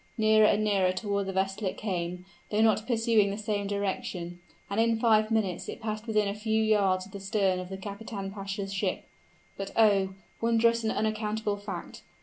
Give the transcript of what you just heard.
Nearer and nearer toward the vessel it came, though not pursuing the same direction; and in five minutes it passed within a few yards of the stern of the kapitan pasha's ship. But, oh! wondrous and unaccountable fact.